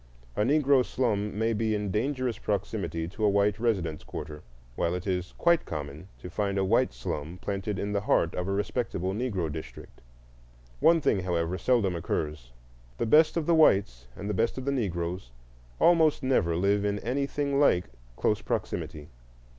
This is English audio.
A Negro slum may be in dangerous proximity to a white residence quarter, while it is quite common to find a white slum planted in the heart of a respectable Negro district. One thing, however, seldom occurs: the best of the whites and the best of the Negroes almost never live in anything like close proximity.